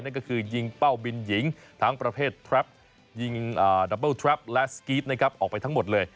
นั่นก็คือยิงเป้าบินหญิงทั้งประเภทแทรปยิงดับเบิ้ลทรัปและสกรี๊ดนะครับออกไปทั้งหมดเลย